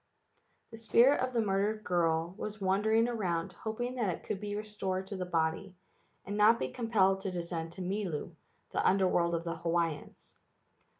The spirit of the murdered girl was wandering around hoping that it could be restored to the body, and not be compelled to descend to Milu, the Under world of the Hawaiians.